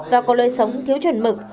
và có lời sống thiếu chuẩn mực